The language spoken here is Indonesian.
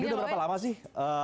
ini udah berapa lama sih